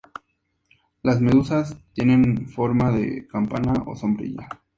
Las medusas tienen forma de campana o sombrilla.